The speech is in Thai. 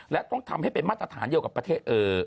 และต้องทำให้เป็นมาตรฐานเดียวกับประเทศ